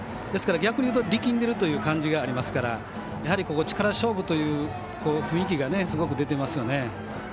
ですから逆に言うと力んでいるという感じありますからやはり、ここ力勝負という雰囲気がすごく出ていますよね。